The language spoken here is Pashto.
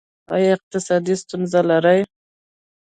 ایا اقتصادي ستونزې لرئ؟